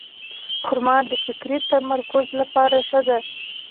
خرما د فکري تمرکز لپاره ښه ده.